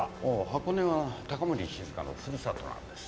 箱根は高森静香の古里なんです。